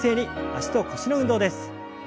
脚と腰の運動です。